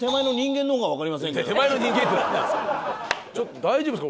大丈夫ですか？